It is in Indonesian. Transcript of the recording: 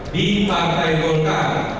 di partai golkar